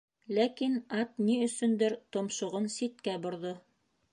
Ләкин ат ни өсөндөр томшоғон ситкә борҙо.